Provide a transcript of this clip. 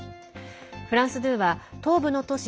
フランス２は東部の都市